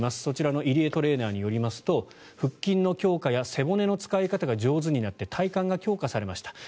そちらの入江トレーナーによりますと腹筋の強化や背骨の使い方が上手になって体幹が強化されました。